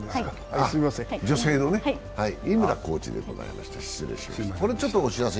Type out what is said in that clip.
女性のね、井村コーチでございました、失礼しました。